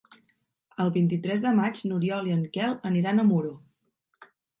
El vint-i-tres de maig n'Oriol i en Quel aniran a Muro.